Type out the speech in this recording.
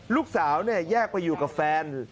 ลูกสาวเนี่ยแยกไปอยู่กับแฟน